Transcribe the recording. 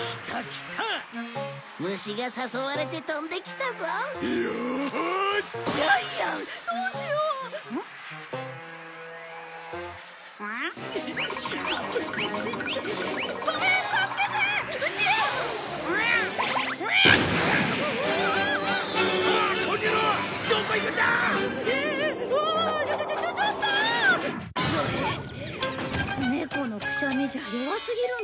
猫のくしゃみじゃ弱すぎるんだな。